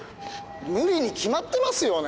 無理に決まってますよね。